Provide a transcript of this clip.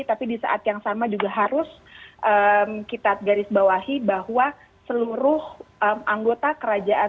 tapi di saat yang sama juga harus kita garis bawahi bahwa seluruh anggota kerajaan